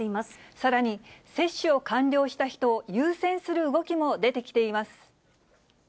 さらに、接種を完了した人を優先する動きも出てきています。